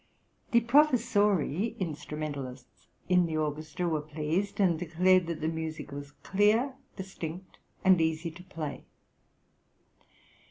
The professori (instrumentalists) in the orchestra were pleased, and declared that the music was clear, distinct, and easy to play.